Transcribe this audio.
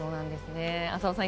浅尾さん